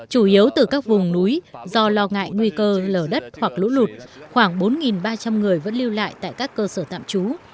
chủ yếu từ các vùng núi do lo ngại nguy cơ lở đất hoặc lũ lụt khoảng bốn ba trăm linh người vẫn lưu lại tại các cơ sở tạm trú